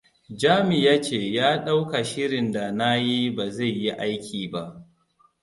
Jami ya ce ya ɗauka shirin da na yi ba zai yi aiki ba.